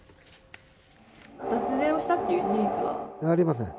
脱税をしたという事実は？ありません。